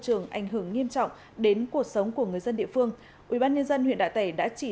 chân có ảnh hưởng nghiêm trọng đến cuộc sống của người dân địa phương ubnd huyện đạ tẻ đã chỉ